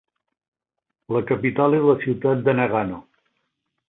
La capital és la ciutat de Nagano.